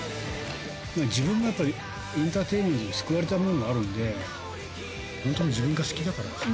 自分もやっぱりエンターテインメントに救われた部分があるんで、本当に自分が好きだからですね。